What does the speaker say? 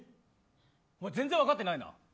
全然分かってないな。